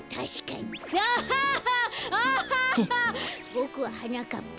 ボクははなかっぱ。